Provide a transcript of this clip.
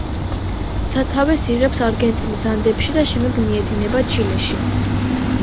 სათავეს იღებს არგენტინის ანდებში და შემდეგ მიედინება ჩილეში.